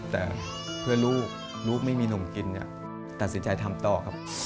แต่เพื่อลูกลูกไม่มีนมกินตัดสินใจทำต่อครับ